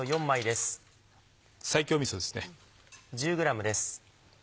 西京みそですね。